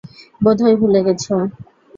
বোধহয় ভুলে গেছ।